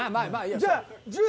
じゃあ。